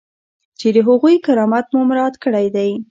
چې د هغوی کرامت مو مراعات کړی دی.